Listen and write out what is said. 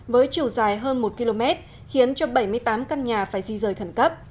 với chiều dài hơn một km khiến cho bảy mươi tám căn nhà phải di rời khẩn cấp